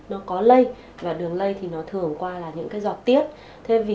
nó có lây và đường lây thường qua những giọt tiết